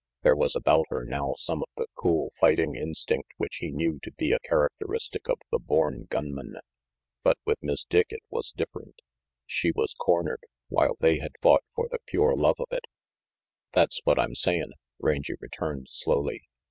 There was about her now some of the cool fighting instinct which he knew to be a characteristic of the born gunman. But with Miss Dick it was different. She was cornered, while they had fought for the pure love of it. RANGY PETE 373 "That's what I'm sayin'," Rangy returned slowly.